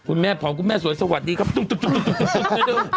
คุณแม่ผอมนะคุณแม่สวยสวัสดีครับตึกตึกตึกตึกตึกตึกตึกส่วนดี